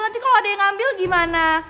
nanti kalau ada yang ambil gimana